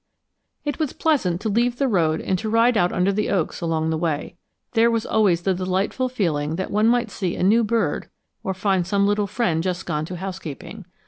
It was pleasant to leave the road to ride out under the oaks along the way. There was always the delightful feeling that one might see a new bird or find some little friend just gone to housekeeping.